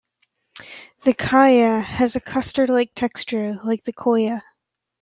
The "kaya" has a custard-like texture like "khoya".